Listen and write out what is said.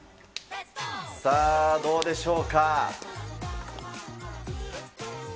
さあ、どうでしょうか。